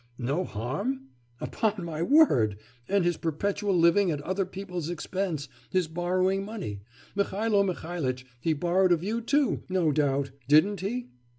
'No harm? Upon my word! and his perpetual living at other people's expense, his borrowing money.... Mihailo Mihailitch, he borrowed of you too, no doubt, didn't he?